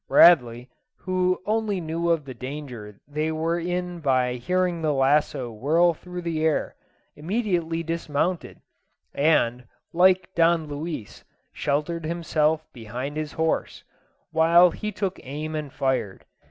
Bradley, who only knew of the danger they were in by hearing the lasso whirl through the air, immediately dismounted, and, like Don Luis, sheltered himself behind his horse, while he took aim and fired.